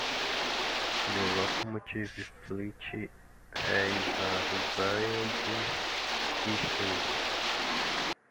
The locomotive fleet has a varied history.